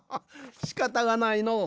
しかたがないのう。